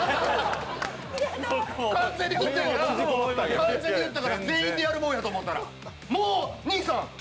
完全に振ったから、全員でやるもんやと思ったら！